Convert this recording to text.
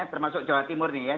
termasuk jawa timur nih ya